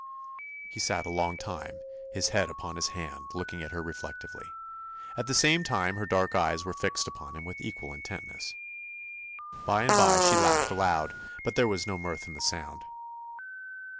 He sat a long time, his head upon his hand, looking at her reflectively. At the same time her dark eyes were fixed upon him with equal intentness. By and by she laughed aloud, but there was no mirth in the sound.